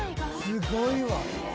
すごいわ。